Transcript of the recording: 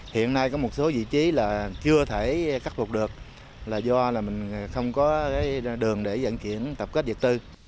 hiện nay có một số vị trí là chưa thể khắc phục được là do mình không có đường để vận chuyển tập kết vật tư